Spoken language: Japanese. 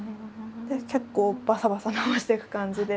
結構バサバサ直していく感じで。